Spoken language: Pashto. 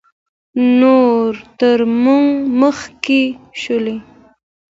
نور تر موږ مخکې شول